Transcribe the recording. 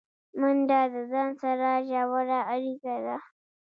منډه د ځان سره ژوره اړیکه ده